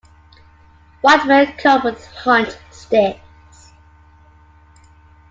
White men come with hunt sticks.